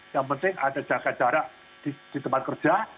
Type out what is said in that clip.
yang penting ada jaga jarak di tempat kerja